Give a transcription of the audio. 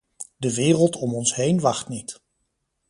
De wereld om ons heen wacht niet.